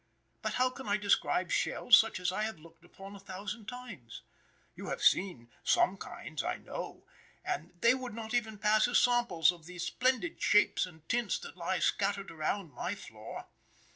But how can I describe shells such as I have looked upon a thousand times? You have seen some kinds, I know, but they would not even pass as samples of the splendid shapes and tints that lie scattered around my floor.